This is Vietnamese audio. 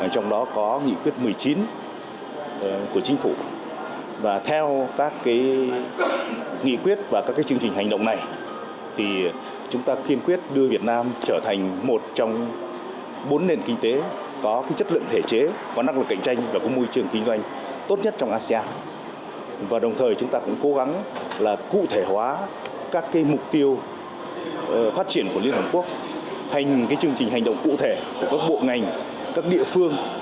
trong thời kỳ cách mạng công nghiệp bốn